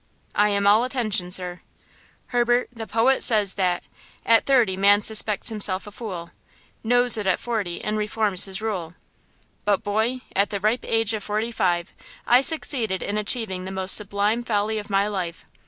"I am all attention, sir!" "Herbert, the poet says that– '"At thirty man suspects himself a fool, Knows it at forty and reforms his rule.' "But, boy, at the ripe age of forty five, I succeeded in achieving the most sublime folly of my life.